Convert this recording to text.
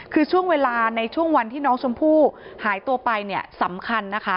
คือช่วงเวลาในช่วงวันที่น้องชมพู่หายตัวไปเนี่ยสำคัญนะคะ